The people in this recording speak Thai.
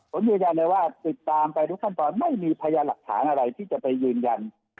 ผมยืนยันเลยว่าติดตามไปทุกขั้นตอนไม่มีพยานหลักฐานอะไรที่จะไปยืนยัน